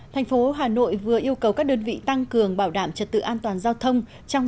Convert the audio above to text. thành phố hà nội vừa yêu cầu các đơn vị tăng cường bảo đảm trật tự an toàn giao thông trong